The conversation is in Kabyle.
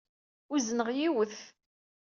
Uzneɣ yiwet.